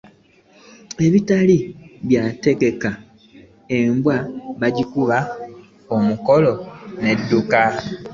Ebitali byetegeke , embwa bajikuba omukalo edduka.